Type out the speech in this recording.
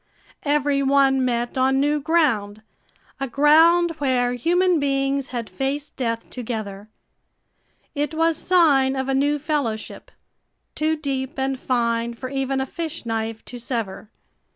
Every one met on new ground, a ground where human beings had faced death together. It was sign of a new fellowship, too deep and fine for even a fish knife to sever.